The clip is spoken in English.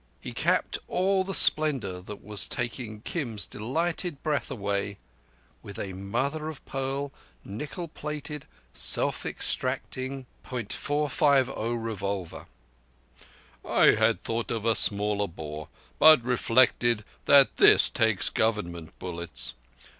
He capped all the splendour, that was taking Kim's delighted breath away, with a mother of pearl, nickel plated, self extracting .450 revolver. "I had thought of a smaller bore, but reflected that this takes Government bullets.